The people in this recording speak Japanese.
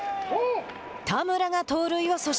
田村が盗塁を阻止。